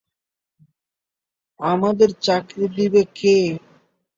আমাদের চাকরি দিবে কে?